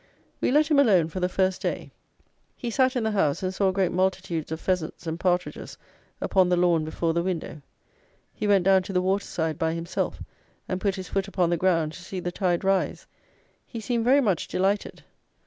We let him alone for the first day. He sat in the house, and saw great multitudes of pheasants and partridges upon the lawn before the window: he went down to the water side by himself, and put his foot upon the ground to see the tide rise. He seemed very much delighted.